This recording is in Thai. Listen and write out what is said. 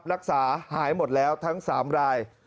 รักษาหายหมดแล้วทั้ง๓ราย